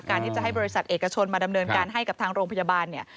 ที่จะให้บริษัทเอกชนมาดำเนินการให้กับทางโรงพยาบาลเนี่ย